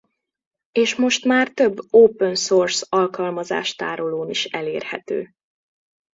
És most már több open-source alkalmazás tárolón is elérhető.